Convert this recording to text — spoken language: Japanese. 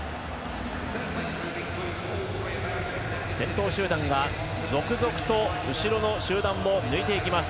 先頭集団は続々と後ろの集団を抜いていきます。